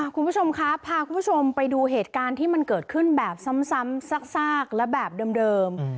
คุณผู้ชมครับพาคุณผู้ชมไปดูเหตุการณ์ที่มันเกิดขึ้นแบบซ้ำซากและแบบเดิม